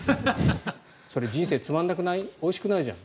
それ、人生つまんなくない？おいしくないじゃん。